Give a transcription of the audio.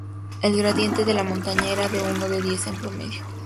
El gradiente de la montaña era de uno en diez en promedio.